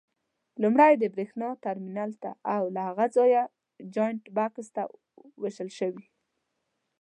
لومړی د برېښنا ترمینل ته او له هغه ځایه جاینټ بکس ته وېشل شوي.